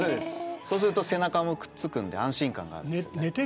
そうすると背中もくっつくんで安心感があるんですよね。